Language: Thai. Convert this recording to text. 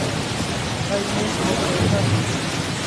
ไทยมุ้ย คอร์ปอเรชั่น